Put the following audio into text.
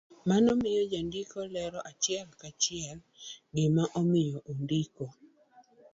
Mano miyo jandiko lero achiel ka chiel gima omiyo ondiko